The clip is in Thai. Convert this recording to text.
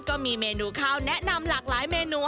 ก็มีเมนูข้าวแนะนำหลากหลายเมนู